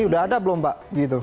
sudah ada belum pak